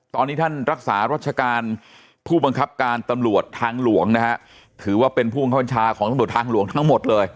ตอนนี้ท่านรักษารัชการผู้บังคับการตำรวจทางหลวงนะฮะถือว่าเป็นผู้บังคับบัญชาของตำรวจทางหลวงทั้งหมดเลย